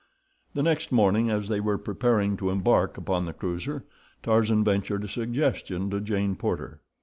The next morning, as they were preparing to embark upon the cruiser, Tarzan ventured a suggestion to Jane Porter.